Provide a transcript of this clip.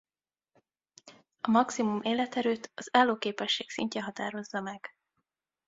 A maximum életerőt az állóképesség szintje határozza meg.